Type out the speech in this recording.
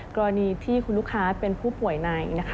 กรณีที่คุณลูกค้าเป็นผู้ป่วยในนะคะ